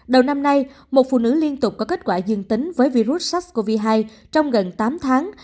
đầu năm nay một phụ nữ liên tục có kết quả dương tính với virus sars cov hai trong gần tám tháng